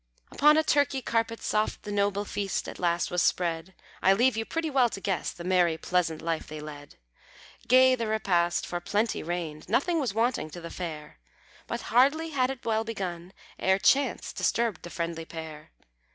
Upon a Turkey carpet soft The noble feast at last was spread; I leave you pretty well to guess The merry, pleasant life they led. Gay the repast, for plenty reigned, Nothing was wanting to the fare; But hardly had it well begun Ere chance disturbed the friendly pair.